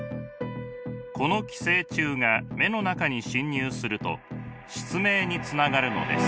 この寄生虫が目の中に侵入すると失明につながるのです。